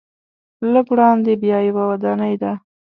لږ وړاندې بیا یوه ودانۍ ده.